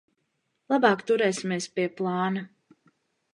Labāk turēsimies pie plāna.